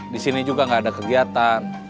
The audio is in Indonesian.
di sini juga nggak ada kegiatan